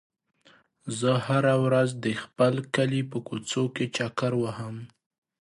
زه هره ورځ د خپل کلي په کوڅو کې چکر وهم.